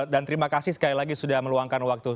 dan terima kasih sekali lagi sudah meluangkan waktu